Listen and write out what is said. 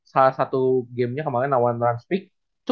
salah satu gamenya kemaren awal run speed